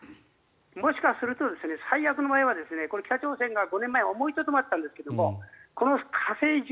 もしかすると最悪の場合は５年前思いとどまったんですがこの火星